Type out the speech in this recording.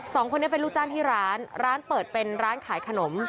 สองคนนี้เป็นลูกจ้างที่ร้านร้านเปิดเป็นร้านขายขนม